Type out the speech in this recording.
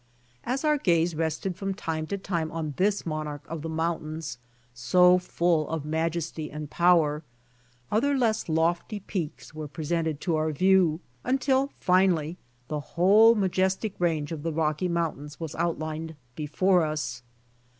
As our gaze rested from time to time on this Monarch of the Mountains, so full of majesty and power, other less lofty peaks were presented to our view, until finally the whole majestic range of the Rocky mountains was outlined before us.